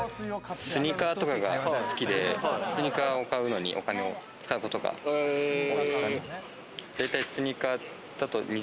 スニーカーとかが好きで、スニーカーを買うのにお金を使うことが多いですかね。